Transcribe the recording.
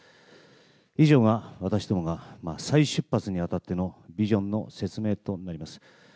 以上が私どもが再出発にあたってのビジョンの説明となります。